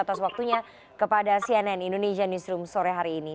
atas waktunya kepada cnn indonesia newsroom sore hari ini